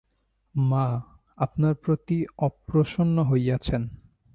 মা, আপনার প্রতি অপ্রসন্ন হইয়াছেন।